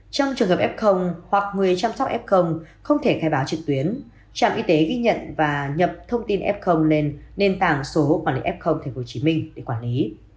trong trường hợp f hoặc người chăm sóc f không thể khai báo trực tuyến trạm y tế ghi nhận và nhập thông tin f lên nền tảng số quản lý f tp hcm để quản lý